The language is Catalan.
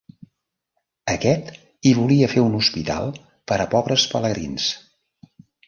Aquest hi volia fer un hospital per a pobres pelegrins.